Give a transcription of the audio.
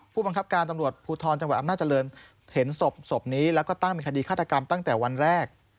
ผู้บังคับการตำรวจภูทรจังหวัดอำนาจริงเห็นศพนี้แล้วก็ตั้งเป็นคดีฆาตกรรมตั้งแต่วันแรก